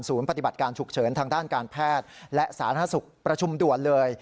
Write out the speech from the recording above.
ปฏิบัติการฉุกเฉินทางด้านการแพทย์และสาธารณสุขประชุมด่วนเลย